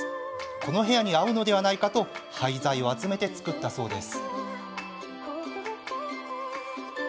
この部屋に合うのではないかと廃材を集めて作ったそうです。